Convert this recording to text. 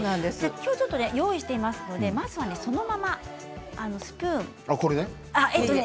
きょうは用意していますのでまずはそのままスプーン。